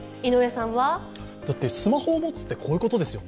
だってスマホを持つって、こういうことですよね。